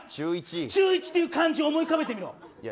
中一という漢字を思い浮かべてみろ。